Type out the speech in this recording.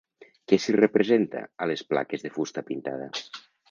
Què s'hi representa a les plaques de fusta pintada?